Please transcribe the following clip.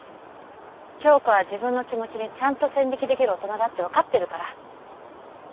響子は自分の気持ちにちゃんと線引きできる大人だってわかってるから。